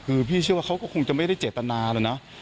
คือพี่เชื่อว่าเขาก็คงจะไม่ได้เจตนาแล้วนะ